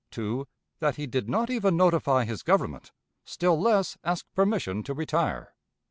2. That he did not even notify his Government, still less ask permission to retire.